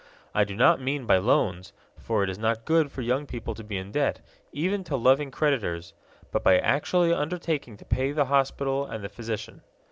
I do not mean by loans for it is not good for young people to be in debt, even to loving creditors but by actually undertaking to pay the hospital and the physician.